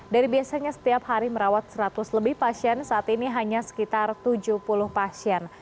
dari biasanya setiap hari merawat seratus lebih pasien saat ini hanya sekitar tujuh puluh pasien